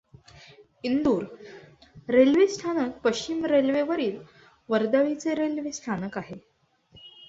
Indore railway स्थानक पश्चिम रेल्वेवरील वर्दळीचे रेल्वे स्थानक आहे.